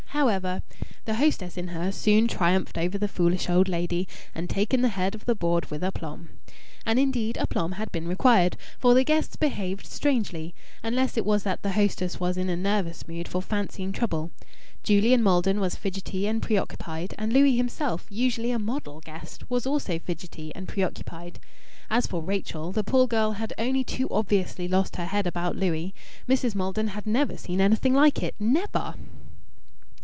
However, the hostess in her soon triumphed over the foolish old lady, and taken the head of the board with aplomb. And indeed aplomb had been required. For the guests behaved strangely unless it was that the hostess was in a nervous mood for fancying trouble! Julian Maldon was fidgety and preoccupied. And Louis himself usually a model guest was also fidgety and preoccupied. As for Rachel, the poor girl had only too obviously lost her head about Louis. Mrs. Maldon had never seen anything like it, never!